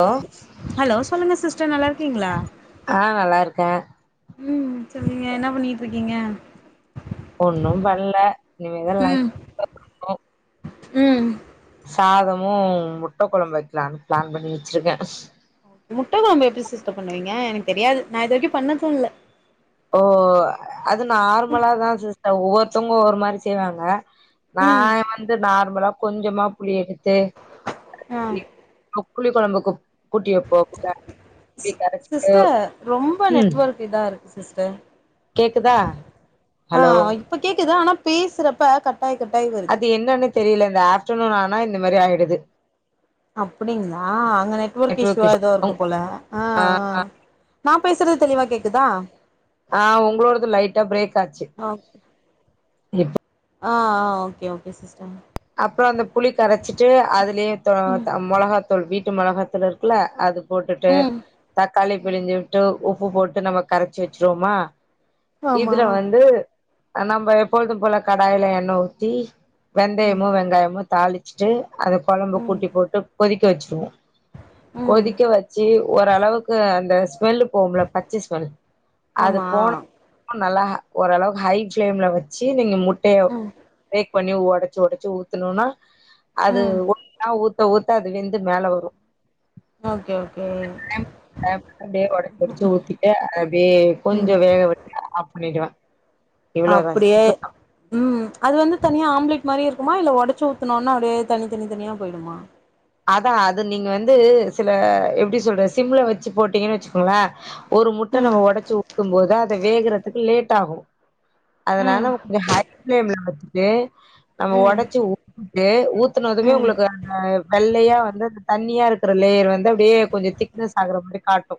hello hello சொல்லுங்க sister நல்லா இருக்கீங்களா ஆ நல்லா இருக்கே ம் சொல்லுங்க என்ன பண்ணிட்டு இருக்கீங்க ஒன்னு பண்ணல இனிமேதா லன்ச் ம் ம் சாதமு முட்ட கொழம்பு வைக்கலான்னு பிளான் பண்ணி வச்சிருக்கே முட்டக்கொழம்பு எப்டி சிஸ்டர் பண்ணுவீங்க எனக்கு தெரியாது நா இது வரைக்கு பண்ணது இல்ல ஓ அது நார்மலா தா சிஸ்டர் ஒவ்வொருத்தவங்க ஒவ்வொரு மாரி செய்வாங்க நா ம் வந்து நார்மலா கொஞ்சமா புளி எடுத்து ஆ புளி கொழம்புக்கு கூட்டி வப்போம்ல சிஸ்டர் ரொம்ப ம் நெட்வொர்க் இதா இருக்கு சிஸ்டர் கேக்குதா ஆ ஹலோ இப்ப கேக்குது ஆனா பேசுறப்ப கட்டாய் கட்டாய் வருது அது என்னன்னு தெரில இந்த ஆப்டர்நூன் ஆனா இந்த மாரி ஆயிடுது அப்டிங்களா அங்க நெட்வொர்க் இஷ்யூவா ஏதோ இருக்கு போல ஆ ஆ நா பேசுறது தெளிவா கேக்குதா ஆ உங்களோடது லைட்டா பிரேக் ஆச்சி ஓகே ஆ ஆ ஓகே ஓகே சிஸ்டர் அப்பறோ அந்த புளி கரச்சிட்டு அதுலயே ம் மொளகாத்தூள் வீட்டு மொளகாத்தூள் இருக்குல்ல அது போட்டுட்டு ம் தக்காளி பிழிஞ்சி விட்டு உப்பு போட்டு நம்ம கரச்சி வச்சிருவோமா ஆமா இதுல வந்து நம்ம எப்பொழுது போல கடாயில எண்ணெ ஊத்தி ம் வெந்தயமு வெங்காயமு தாளிச்சிட்டு அத கொழம்பு ம் கூட்டி போட்டு கொதிக்க வச்சிருவோ ம் கொதிக்க வச்சி ஓரளவுக்கு அந்த ஸ்மெல்லு போகும்ல பச்ச ஸ்மெல் அது ஆமா போன ஒன்ன நல்லா ஓரளவுக்கு ஹை பிளேம்ல வச்சு நீங்க முட்டய ம் பிரேக் பண்ணி ஒடச்சி ஒடச்சி ஊத்துனோன்னா அது ம் ஒன்னா ஊத் த ஊத்த அது வெந்து மேல வரு ஓகே ஓகே [unintelligible] அப்டியே ஒடச்சி ஒடச்சி ஊத்தி அப்டியே அத அப்டியே ம் கொஞ்சோ வேக விட்டு ஆஃப் பண்ணிடுவே இவ்ளோதா அப்டியே சிம்பிள் ம் அது வந்து தனியா ஆம்லேட் மாரி இருக்குமா இல்ல ஒடச்சி ஊத்துணு ஒன்ன அப்டியே தனி தனி தனியா போயி்டுமா அதா அது நீங்க வந்து சில எப்டி சொல்றது சிம்ல வச்சி போட்டீங்கன்னு வச்சுக்கோங்களே ஒரு முட்ட ம் நம்ம ஒடச்சி ஊத்தும் போது அத வேகுறதுக்கு லேட் ஆகு அதனால ம் கொஞ்சோ ஹை பிளேம்ல வச்சிட்டு நம்ம ம் ஒடச்சி ஊத்திட்டு ஊத் துனதுமே ம் உங்களுக்கு அந்த வெள்ளயா வந்து அந்த தண்ணியா இருக்குற லேயர் வந்து அப்டியே கொஞ்சோ திக்னஸ் ஆகுற மாரி காட்டு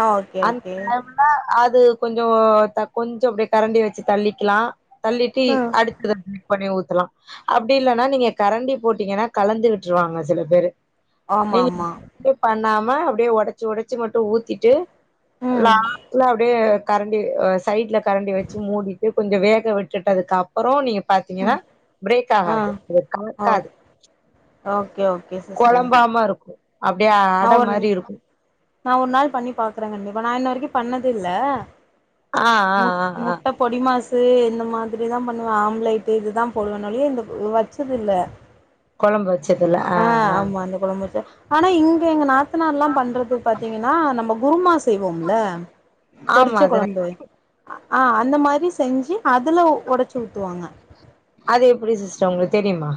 ஆ ஓகேங்க விட்டோம்ன்னா அது கொஞ்சோ கொஞ்சோ அப்டியே கரண்டிய வச்சி தள்ளிக்கிலா தள்ளிட்டு ஆ அடுத்து ரபுல் பண்ணி ஊத்தலா அப்டில்லன்னா நீங்க கரண்டி போட்டீங்கன்னா கலந்துவிட்ருவாங்க சில பேரு ஆமா நீங்க ஆமா அப்டியே பண்ணாம அப்டியே உடச்சு உடச்சு மட்டு ஊத்திட்டு ம் லாஸ்ட்ல அப்டியே கரண்டி சைட்ல கரண்டி வச்சு மூடிட்டு கொஞ்சோ வேக விட்டுட்டதுக்கப் அப்புறோ நீங்க பாத்தீங்கன்னா ம் பிரேக் ஆ ஆகாது அது ஓ கலக்காது ஓகே ஓகே சிஸ்டர் குழம்பாம இருக்கு அப்டியே நா அட ஒரு மாரி இருக்கு நா ஒரு நாள் பண்ணி பாக்குறே கண்டிப்பா நா இன்ன வரைக்கு பண்ணதுல்ல ஆ ஆ முட் ஆ ஆ முட்ட பொடி மாசு இந்த மாதிரி தா பண்ணுவே ஆம்லேட்டு இது தா போடுவே நறைய இந்த வச்சதில்ல கொழம்பு வச்சதுல்ல ஆஹ் ஆஹ் ஆமா அந்த கொழம்பு வச்சோ ஆனா இங்க எங்க நாத் எத்தனால்லா பண்றது பாத்தீங்கன்னா நம்ம குருமா செய்வோம்ல ஆமா பொறிச்ச அது கொழம்பு ஆஹ் அந்த மாரி செஞ்சு அதுல உடச்சு ஊத்துவாங்க அது எப்டி சிஸ்டர் உங்களுக்கு தெரியுமா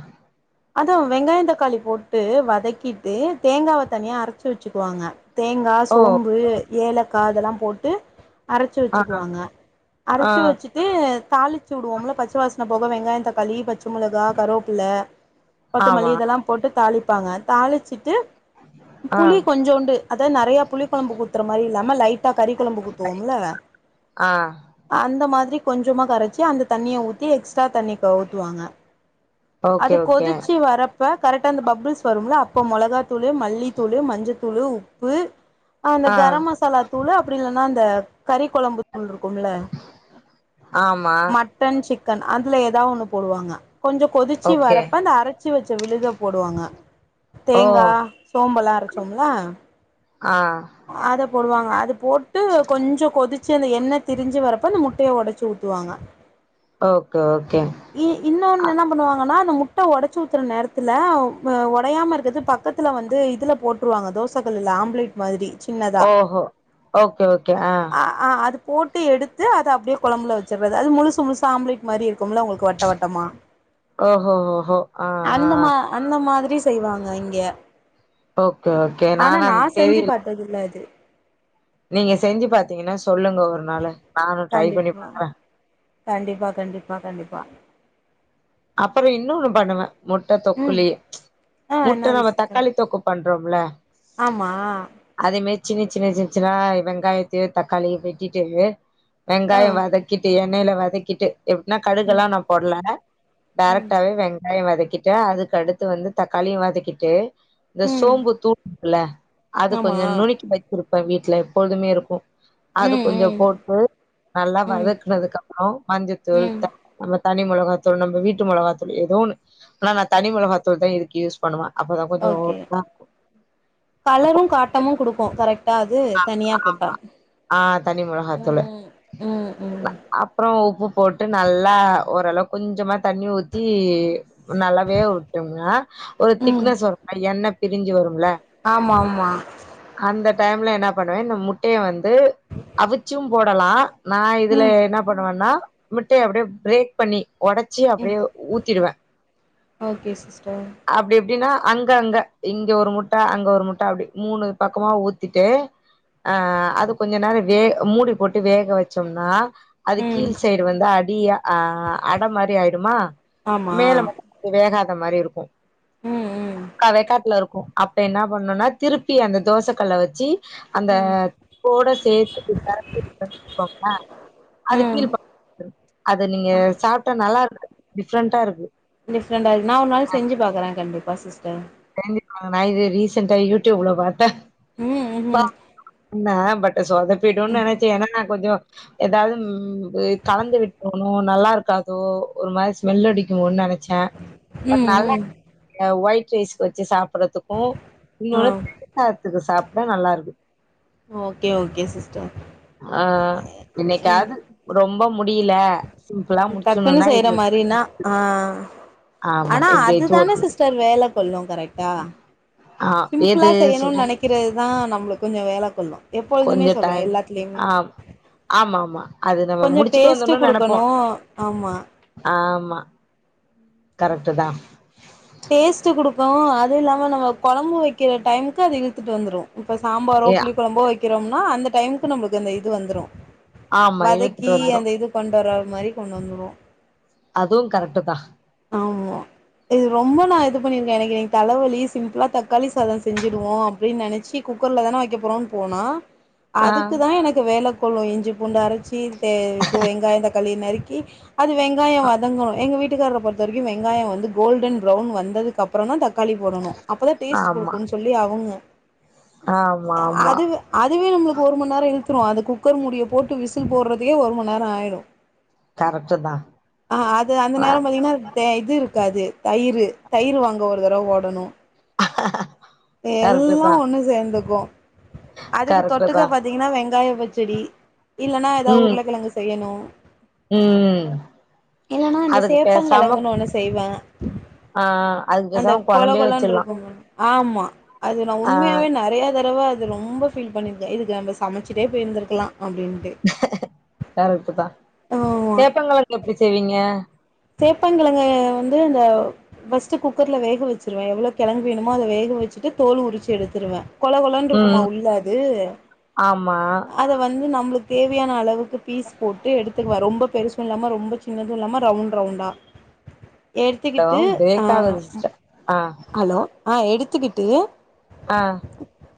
அதா வெங்காயோ தக்காளி போட்டு வதக்கிட்டு தேங்காவ தனியா அரச்சு வச்சுக்குவாங்க தேங் ங்கா ஓ சோம்பு ஏலக்கா அதெல்லா போட்டு அரச்சு ஆ வச்சுக்குவாங்க ஆ அரச்சு வச்சுட் தாளிச்சு வுடுவோம்ல பச்ச வாசன போக வெங்காயோ தக்காளி பச்ச மொளகா கருவேப்புள்ள கொத்தமல்லி ஆமா இதெல்லா போட்டு தாளிப்பாங்க தாளிச்சிட்டு ஆ புளி கொஞ்சோண்டு அதா நெறய புளி கொழம்பு ஊத்துற மாரி இல்லாம லைட்டா கறி கொழம்புக்கு ஊத்துவோம்ல ஆஹ் அந்த மாதிரி கொஞ்சமா கரச்சி அந்த தண்ணிய ஊத்தி எக்ஸ்ட்ரா தண்ணி க ஊத்துவாங்க ஓகே ஓகே கொதிச்சி வரப் இப்ப கரெக்டா அந்த பபுள்ஸ் வரும்ல அப்போ மொளகா தூளு மல்லித்தூளு மஞ்சள்த்தூளு உப்பு அந்த ஆ கரம் மசாலா தூளு அப்டி இல்லனா அந்த கறி கொழம்பு தூள் இருக்கும்ல ஆமா மட்டன் சிக்கன் அதுல எதா ஒண்ணு போடுவாங்க கொஞ்சோ கொதிச்சி ஓகே வரப் ப்ப அந்த அரச்சி வச்ச விழுத போடுவாங்க ஓ தேங்கா சோம்பெல்லா அரச்சோம்ல ஆஹ் அத போடுவாங்க அது போட்டு கொஞ்சோ கொதிச்சு அந்த எண்ண திரிஞ்சி வரப்ப அந்த முட் ட்டய ஒடச்சு ஊத்துவாங்க ஓகே ஓகே இ அ இன்னொன்னு என்ன பண்ணுவாங்கன்னா அந்த முட்ட ஒடச்சி ஊத்துற நேரத்துல ஒடையாம இருக்றது பக் பக்கத்துல வந்து இதுல போட்ருவாங்க தோசகல்லுல மாதிரி சின்னதா ஓஹோ ஓகே ஓகே ஆ ஆஹ் ஆ அது போட்டு எடுத்து அது அப்டியே கொழம்புல வச்சுர்றது அது முழுசு முழுசா ஆம்ப்லேட் மாரி இருக்கும்ல உங்களுக்கு வட் ட வட்டமா ஓஹோ ஓஹோ ஆ ஆ அந்த மா அந்த மாதிரி செய்வாங்க இங்க ஓகே ஓகே நானான் தெரில் பட்டதுல்ல அது நீங்க செஞ்சு பாத்தீங்கன்னா சொல்லுங்க ஒரு நாளு நானு ட்ரை பண்ணி கண்டிப்பா பாக்குற கண்டிப்பா கண்டிப்பா கண்டிப்பா அப்புறோ இன்னொன்னு பண்ணுவே முட்ட ம் தொக்குலே ஆ முட்ட என்னாது நம்ம சிஸ்டர் தக்காளி தொக்கு பண்றோம்ல ஆமா அதே மாரி சின்ன சின்ன சின்ன சின்னாதா வெங்காயத்தயு தக்காளியயு வெட்டிட்டு ஆ வெங்காயோ வதக்கிட்டு எண்ணெயில வதக்கிட்டு எப்டின்னா ம் கடுகுல்லா நா போடல ம் டேரக்ட்டாவே வெங்காயோ வதக்கிட்டு அதுக்கு அடுத்து வந்து தக்காளியு வதக்கிட்டு இந்த ம் சோம்பு தூள்ல அது ஆமா கொஞ்சோ நுனுக்கி வச்சிருப்பே வீட்ல எப்பொழுதுமே இருக்குமா அது ம் கொஞ்சோ ம் போட்டு நல்லா ம் வதக்குனதுக்கு அப்றோ மஞ்சத்தூள் ம் தாளி தனி மொளகத் தூள் நம்ம வீட்டு மொளகாத்தூள் ஏதோ ஒண்ணு ஆனா நா தனி மொளகாத்தூள் தா இதுக்கு யூஸ் பண்ணுவ அப்பதா கொஞ்சோ ஓகே ஒரப்பாக்கு கலரு காட்டமு குடுக்கு கரெக்ட் ட்டாது தனியா போட்டா ஆ தனி ம் ம் ம் அப்றோ உப்பு போட்டு நல்லா ஓரளவுக் கொஞ்சமா தண்ணி ஊத்தி நல்லா வேவ விட்டோம்னா ஒரு திக்னெஸ் வரும்ல எண்ண பிரிஞ்சு வரும்ல ஆம்மாமா அந்த டைம்ல என்னா பண்ணுவே இந்த முட்டைய வந்து அவிச்சு போடலா நா இதுல ம் என்னா பண்ணுவன்னா மிட்டய அப்டியே பிரேக் பண்ணி ஒடச் சி ம் அப்டியே ஊத்திடுவே ஓகே சிஸ்டர் அப்டி எப்டின்னா அங்க அங்க இங்க ஒரு முட்ட அங்க ஒரு முட்ட அப்டி மூணு பக்கமா ஊத் திட்டு அ அது கொஞ்சோ நேரோ வே மூடி போட்டு வேக வச்சோம்னா அது ம் கீழ் சைடு வந்து அடியா ஆ அட மாரி ஆயிடுமா ஆமா மேல மட்டு வேகாத மாரி இருக்கு ம் ம் முக்கா வேக்காட்ல இருக்கு அப்ப என்ன பண்ணுனா திருப்பி அந்த தோசக்கல்ல வச்சி அந்த ம் தொக்கோட சேத்து பெரட்டி விட்டோனு வச்சுக்கோங்கள அது ம் கீழ் பக்கோ வந்துரு அத நீங்க சாப்ட்டா நல்லாருக்கு டிஃப்ரெண்டா இருக்கு டிஃப்ரெண்டாருக்கு நா ஒரு நாள் செஞ்சு பாக்குறே கண்டிப்பா சிஸ்டர் செஞ்சி பாருங்க நா இத ரீசன்ட்டா யூடியூப்ல பாத்த ம் ம் பாத்து பண்ண பட் சோதப்பிடுன்னு நெனச்சு ஏனா நா கொஞ்சோ எதாவுது ம் கலந்து விட்டோணோ நல்லா இருக்காதோ ஒரு மாரி ஸ்மெல் அடிக்குமோன்னு நெனைச்ச பட் ம் நல்லா ம் இருக்குங்க ஓயிட் ரைஸ்கு வச்சு சாப்படுறதுக்கு ஆ இன்னொன்னு [unintelligible] [unintelligible] சாப்பிட நல்லா இருக்கு ஓகே ஓகே சிஸ்டர் ஆ என்னைக்காது ரொம்ப முடியில டக்குன்னு செய்யற மாரின்னா ஆ ஆமா ஆனா இப்டி வச்சு அதுதான ஓட்டிட்டு சிஸ்டர் வேல கொல்லு கரெக்ட்டா ஆ சிம்பிளா எது செய்யணுனு சொல்றீங் நெனைக்கிறது தா நம்மளுக்கு கொஞ்சோ வேல கொள்ளு எப்பொழுதுமே கொஞ்ச சொல்றே டைம் எல்லாத்திலியுமே ஆ ஆமா ஆமா அது நம்ம கொஞ்சோ முடிச்சுட்டு டேஸ்ட் வந்தர்னு நெனப்போ குடுக்குணு ஆமா ஆமா கரெக்ட் தா டேஸ்ட்டு குடுக்கு அது இல்லாம நம்ம கொழம்பு வைக்கிற டைமுக்கு அது இழுத்துட்டு வந்துரு இப்ப சாம்பாரோ ஏ புளி கொழம்போ வைக்கிறோம்னா அந்த டைமுக்கு நம்மளுக்கு அந்த இது வந்துரு ஆமா இழுத்துட்டு வதக்கி வந்துரு அந்த இது கொண்டு வர மாரி கொண்டு வந்துருவோ அதுவு கரெக்ட் தா ஆமா இது ரொம்ப நா இது பண்ணியிருக்கே எனக்கு இன்னக்கி தலைவலி சிம்பிளா தக்காளி சாதோ செஞ்சுடுவோ அப்டின்னு நெனைச்சி குக்கர்ல தான வைக்க போறோ போனா ஆ அதுக்கு தா எனக் கு வேல கொள்ளு இஞ்சி பூண்டு அரைச்சி தே இது வெங்காயோ தக்காளி நறுக்கி அது வெங்காயோ வதங்கு எங்க வீட்டுக்கார்ர பொருத்த வரைக்கு வெங்காயோ வந்து கோல்டன் பௌன் வந்ததுக்கு அப்றோ தா தக்காளி போடணு அப்பதா டேஸ்ட் குடுக்குனு சொ சொல்லி அவங்க ஆ ஆமா ஆமா அது அதுவே நம்மளுக்கு ஒரு மநேரம் இழுத்துடும் அது குக்கர் மூடிய போட்டு விசில் போடுறதுக்கே ஒரு மநேரம் ஆய்டும் கரெக்ட்டு தா ஆ அது அந்த ஆ நேரம் பாத்தீங்கன்னா தே இது இருக்காது தயிர் தயிர் வாங்க ஒரு தடவ ஓடணும் அஹ எல்லா ஒன்னு சேர்ந்துக்கும் அதுக்கு கரெக்ட்டு தொட்டுக்க தா பாத்தீங்கன்னா வெங்காய பச்சடி இல்லன்னா ஏதாவது ம் உருளக்கிழங்கு செய்யணும் ம் இல்லன்னா இந்தந்த அதுக்கு பேசாம சேப்பங்கிழங்குன்னு ஒண்ணு செய்வ ஆ அதுக்கு அந்த பேசாம கொல கொழம்பே கொல வச்சிட்லா இருக்கும் ஆமா அது நா ஆ உண்மையாவே நிறைய தடவ அது ரொம்ப பபீல் பண்ணிருக்கே இது நம்ம சமைச்சிட்டே போயிருந்திருக்கலா அப்படின்ட்டு கரெக்ட் தா ஆமா சேப்பங்கிழங்கு எப்படி செய்வீங்க சேப்பங்கிழங்க வந்து இந்த ஃபர்ஸ்ட் குக்கர்ல வேக வச்சருவே எவ்வளோ கிழங்கு வேணமோ அத வேக வச்சுட்டு தோல் உரிச்சு எடுத்துடுவே கொல கொலன்ன இருக்குமா ம் உள்ளது அது ஆமா அத வந்து நம்மளுக்கு தேவையான அளவுக்கு பீஸ் போட்டு எடுத்துக்குவ ரொம்ப பெருசும் இல்லாம ரொம்ப சின்னதும் இல்லாம ரவுண்ட் ரவுண்டு ரவுண்ட்டா ஹலோ எடுத்துக்ட்டு ஆ பிரேக் ஆகுது சிஸ்டர் ஆ ஹலோ ஆ எடுத்துக்கிட்டு ஆ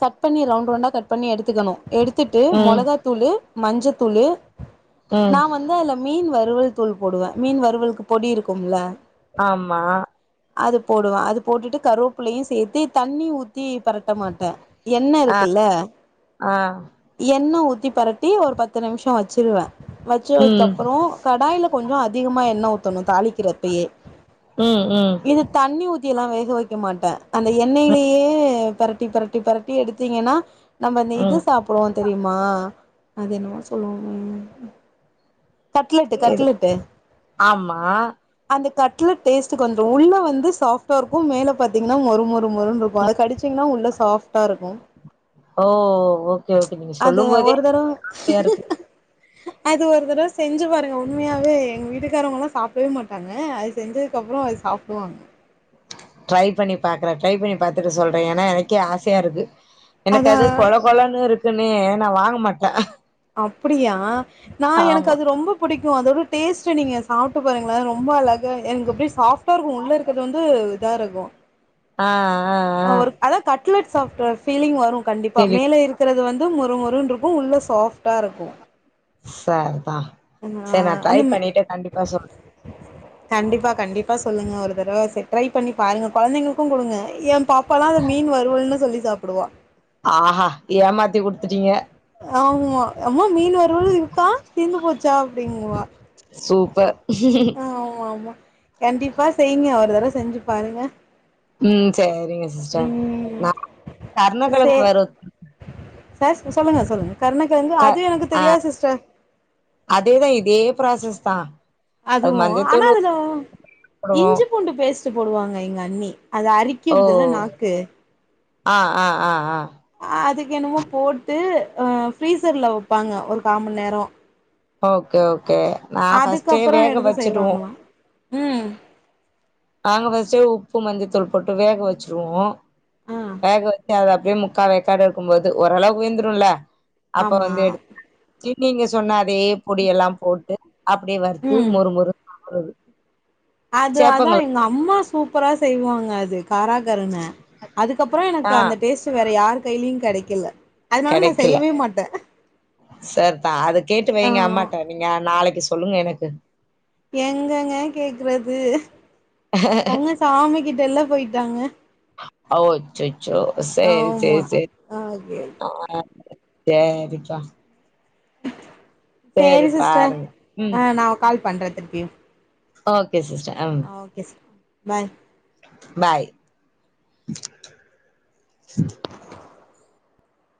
கட் பண்ணி ரவுண்ட் ரவுண்டா கட் பண்ணி எடுத்துக்கணு எடுத்துட்டு ம் மிளகா தூளு மஞ்ச தூள் ம் நா வந்து அதுல மீன் வறுவல் தூள் போடுவே மீன் வறுவல் க்கு பொடி இருக்கும்ல ஆமா அத போடுவ அது போட்டுட்டு கருவேப்பள்ளையு சேர்த்து தண்ணி ஊ த்தீ பரட்ட மாட்ட என்ன ஆ இருக்குல்ல ஆ எண்ண ஊத்தி பரட்டி ஒரு பத்து நிமிஷம் வச்சுருவே ம் வச்சதுக்குப்பறம் கடாய்ல கொஞ்ச அதிகமா எண்ண ஊத்தணும் தாளிக்கிறப்பையே ம் ம் இது தண்ணி ஊத் எல்லாம் வேக வைக்க மாட்டே அந்த எண்ணெய்லயே பரட்டி பரட்டி பரட்டி எடுத்தீங்கன்னா நம்ம இந்த ம் சாப்பிடுவோம் தெரியுமா அது என்னமோ சொல்லுவோமே கட்லெட்டு் இது கட்லெட் ஆமா அந்த கட்லெட் டேஸ்ட் கொஞ்ச உள்ள வந்து சாஃப்டா இருக்கும் மேல பாத்தீங்கன்னா மொறு மொறு மொறு இருக்கும் அத கடிச்ச சிகன உள்ள சாஃப்ட்டா இருக்கும் ஓ ஓகே ஓகே நீங்க அது சொல்லும் போதோ ஒரு தடவ இருக்கு அது ஒரு தடவ செஞ்சு பாருங்க உண்மையாவே எங்க வீட்டுக்காரவங்கலா சாப்பிடவே மாட்டாங்க அது செஞ்சதுக்கப்புறம் அது சாப்பிடுவாங்க டிரை பண்ணி பாக்குற ட்ரை பண்ணி பாத்துட்டு சொல்லுற எனா எனக் கே ஆசையா இருக்கு எனக்கு அதா அது கொல கொழன்னு இருக்குன்னே நா வாங்க மாட்டே அப்படியா நா எனக்கு ஆமா அது ரொம்ப பிடிக்கும் அதோட டேஸ்ட் நீங்க சாப்பிட்டு பாருங்கள ரொம்ப அழக எனக்கு அப்படிய சாப்டா இருக்கும் உள்ள இருக்கற வந்து இதா இருக்கு ஆ ஆ ஒரு அதா கட்லெட் சாஃப்ட் ஃபீலிங் வரும் கண்டிப்பா தெரியு மேல இருக்கிறது வந்து மமொறு மொருணு இருக்கும் உள்ள சாஃப்ட் டா இருக்கும் சரிதா ஆ சரி நா ட்ரை அந்த பண்ணிட்டு கண்டிப்பா சொல்றே கண்டிப்பா கண்டிப்பா சொல்லுங்க ஒரு தடவ செ ட்ரை பண்ணி பாருங்க கொழந்தைங்களுக்கு குடுங்க எம் பாப்பாலா அத மீன் வருவல்ன்னு சொல்லி சாப்புடுவா ஆஹா ஏமாத்தி குடுத்துட்டீங்க ஆமா அம்மா மீன் வறுவல் இருக்கா தீந்து போச்சா அப்டின்வா ப அவ் ஆமா கண்டிப்பா செய்ங்க ஒரு தடவ செஞ்சு பாருங்க ம் சரிங்க சிஸ்ட ம் நா சே கர்ணக்கிழங் வறோத் சார் ஸு சொல்லுங்க சொல்லுங்க கருணக்கிழங்கு க அது எனக்கு ஆ தெரியா சிஸ்டர் அதேதா இதே ப்ராசஸ் தா அது அதுவு ஆனா மஞ்சத்தூள் அதுலுவ் போடுவோ இஞ்சி பூண்டு பேஸ்ட்டு போடுவாங்க எங்க அண்ணி அத அரிக் ஓ க்கீடுதுல நாக்கு ஆ ஆ ஆ ஆஆ அ அதுக்கு என்னமோ போட்டு அ ஃப்ரீசர்ல வுப்பாங்க ஒரு கா மண் நேரோ ஓகே ஓகே நா ஃபஸ்ட்டே அதுக்கப்புறோ வேக எடுத்து வச்சிடுவு செய்வாங்களா ம் நாங்க ஃபஸ்ட்டுவ் உப்பு மஞ்சத்தூள் போட்டு வேக வச்சிருவோ ஆ வேக வத்தி அத் அப்டேமு காரே கட இருக்கும் போது ஓரளவ் உய்ந்துருல்ல அப்ப ஆமா வந்து எடு கி நீங்கிஸ் சொன்னா அதே பொடி எல்லாம் போட்டு அப்படே வறுத்து ம் மொறு மொறு சாப்புறுது அது அதா எங் அம்மா சூப்பரா செய்வாங்க அது காராக் கருனே அதுக்கப்பறோ எனக் ஆ அந்த டேஸ்ட்டு வேற யார் கைலியு கடைக்கல அதனால் நா செய்யவே மாட்ட சர்தா அது கேட்டு வையுங்க ஆ அம்மாட்ட நீங்க நாளைக்கு சொல்லுங் எனக்கு எங்கங்க கேக்றது அவ்ங்க சாமி கிட்டல்லா போய்ட்டாங்க அவோ அச்சச்சோ சய் ஆமா செர் செர் ஓகே [inaudible] தேரிக்கா சேரி சிஸ்ட பாருங்க ம் ஆ நாவ் கால் பண்ற திருப்பியு ஓகே சிஸ்ட அம் ஓகெஸ் பாய் பாய்